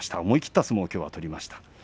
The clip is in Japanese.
思い切った相撲をきょうは取りました。